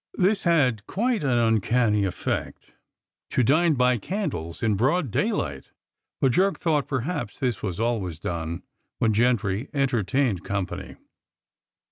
This had quite an un canny effect — to dine by candles in broad daylight — but Jerk thought perhaps this was always done when gentry entertained company.